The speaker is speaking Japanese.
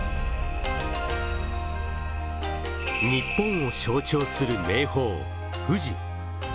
日本を象徴する名峰・富士。